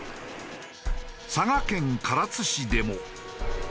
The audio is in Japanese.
佐賀県唐津市でも。